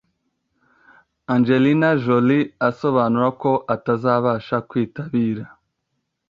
Angelina Jolie asobanura ko atazabasha kwitabira